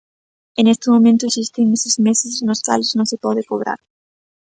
E neste momento existen eses meses nos cales non se pode cobrar.